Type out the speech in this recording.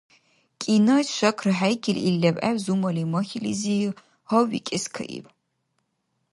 Кӏинайс, шакра хӏейкили, ил левгӏев зумали махьилизи гьаввикӏескайиб